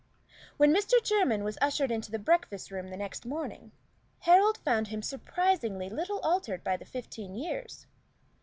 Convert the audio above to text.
When Mr. Jermyn was ushered into the breakfast room the next morning, Harold found him surprisingly little altered by the fifteen years.